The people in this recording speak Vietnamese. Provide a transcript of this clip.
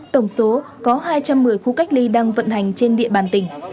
tổng số có hai trăm một mươi khu cách ly đang vận hành trên địa bàn tỉnh